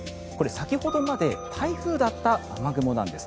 先ほどまで台風だった雨雲なんです。